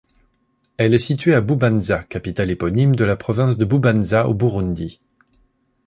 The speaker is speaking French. Elle est située à Bubanza, capitale éponyme de la province de Bubanza, au Burundi.